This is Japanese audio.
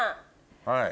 はい。